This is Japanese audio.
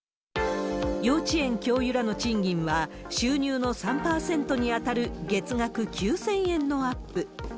幼稚園教諭らの賃金は、収入の３％に当たる月額９０００円のアップ。